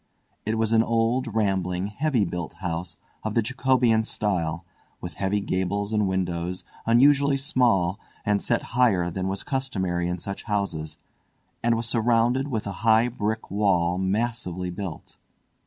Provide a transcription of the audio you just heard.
It was an old rambling, heavy built house of the Jacobean style, with heavy gables and windows, unusually small, and set higher than was customary in such houses, and was surrounded with a high brick wall massively built.